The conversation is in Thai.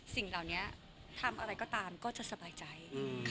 สิ่งเหล่านี้ทำอะไรก็ตามก็จะสบายใจ